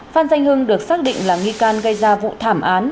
phan danh hưng được xác định là nghi can gây ra vụ thảm án